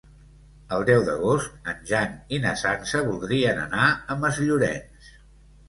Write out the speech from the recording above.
El deu d'agost en Jan i na Sança voldrien anar a Masllorenç.